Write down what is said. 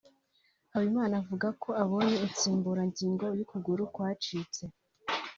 Habimana avuga ko abonye insimburangigo y’ ukuguru kwe kwacitse